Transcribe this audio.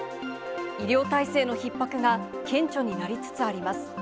医療体制のひっ迫が顕著になりつつあります。